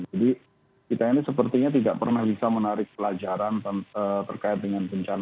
jadi kita ini sepertinya tidak pernah bisa menarik pelajaran terkait dengan bencana